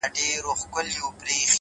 دواړه لاسه يې کړل لپه!